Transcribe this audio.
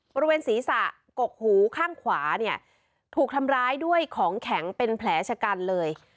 บริเวณศีรษะกกหูข้างขวาเนี่ยถูกทำร้ายด้วยของแข็งเป็นแผลชะกันเลย